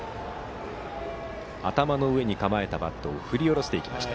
頭の上に構えたバットを振り下ろしていきました。